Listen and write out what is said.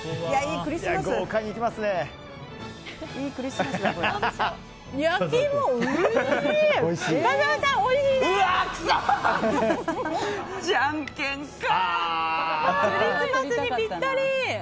クリスマスにぴったり！